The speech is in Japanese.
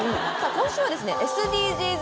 今週はですねＳＤＧｓ